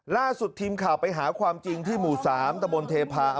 ล่าสุดทีมข่าวไปหาความจริงที่หมู่๓ตะบนเทพาะ